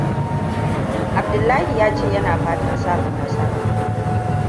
Abdullahi ya ce yana fatan samun nasara.